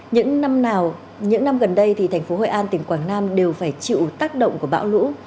những năm nào những năm gần đây thì thành phố hội an tỉnh quảng nam đều phải chịu tác động của bão lũ